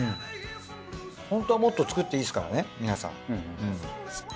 ホントはもっと作っていいですからね皆さん。